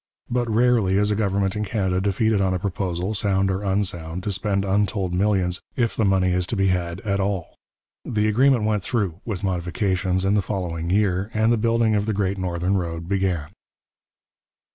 But rarely is a government in Canada defeated on a proposal, sound or unsound, to spend untold millions, if the money is to be had at all. The agreement went through, with modifications, in the following year, and the building of the great northern road began.